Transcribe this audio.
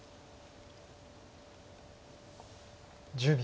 １０秒。